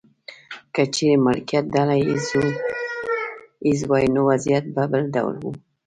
که چیرې مالکیت ډله ایز وای نو وضعیت به بل ډول و.